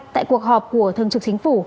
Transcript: tại cuộc họp của thường trực chính phủ